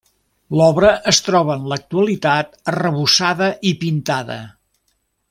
L'obra es troba en l'actualitat arrebossada i pintada.